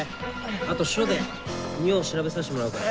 あと署で尿調べさせてもらうから。